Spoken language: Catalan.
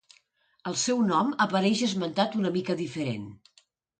El seu nom apareix esmentat una mica diferent.